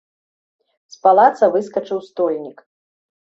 З палаца выскачыў стольнік.